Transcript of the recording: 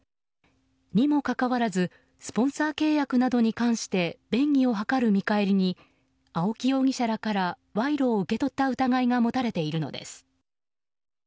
にもかかわらずスポンサー契約などに関して便宜を図る見返りに青木容疑者らから賄賂を受け取った疑いが持たれているのです。